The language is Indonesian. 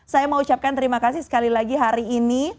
saya mau ucapkan terima kasih sekali lagi hari ini